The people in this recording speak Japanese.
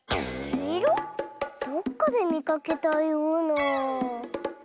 どっかでみかけたような。